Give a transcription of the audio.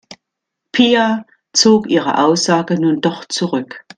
Pia zog ihre Aussage nun doch zurück.